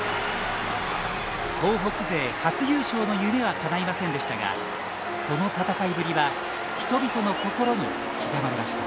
東北勢初優勝の夢はかないませんでしたがその戦いぶりは人々の心に刻まれました。